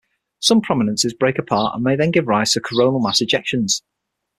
Some prominences break apart and may then give rise to coronal mass ejections.